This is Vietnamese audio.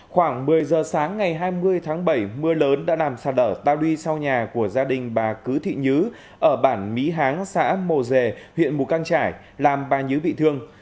khoảng một mươi giờ sáng ngày hai mươi tháng bảy mưa lớn đã làm sạt lở tao đi sau nhà của gia đình bà cứ thị nhứ ở bản mỹ háng xã mồ dề huyện mù căng trải làm bà nhứ bị thương